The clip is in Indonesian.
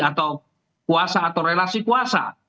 atau kuasa atau relasi kuasa